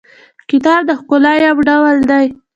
کتاب د ښکلا یو ډول دی.